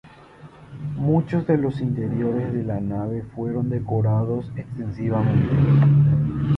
Muchos de los interiores de la nave fueron decorados extensivamente.